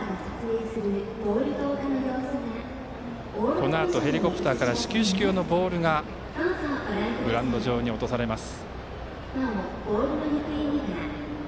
このあとヘリコプターから始球式用のボールがグラウンド上に落とされます。